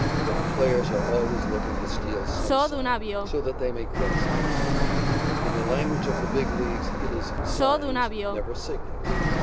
Ball players are always looking to steal some sign so that they may "cross" the enemy. In the language of the Big Leagues it is "signs," never "signals."